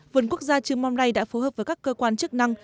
vườn quốc gia trư mon ray đã phối hợp với các cơ quan chức năng